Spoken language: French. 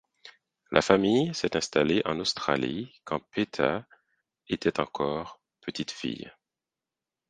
La famille s'est installée en Australie quand Peta était encore petite fille.